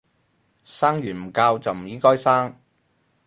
生完唔教就唔應該生